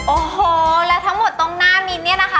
โอ้โหและทั้งหมดตรงหน้ามิ้นเนี่ยนะคะ